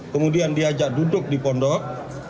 kemudian diajak duduk di pondok